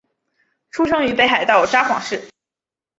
出生于北海道札幌市。